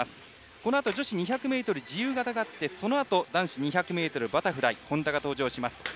このあと女子２００ｍ自由形があってそのあと男子２００ｍバタフライ本多が登場します。